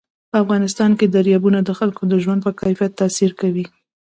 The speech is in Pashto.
په افغانستان کې دریابونه د خلکو د ژوند په کیفیت تاثیر کوي.